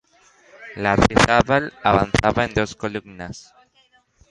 Lardizábal avanzaba en dos columnas.